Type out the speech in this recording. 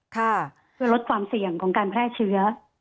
ช่วยลดความเสี่ยงของการแพร่เชื้อ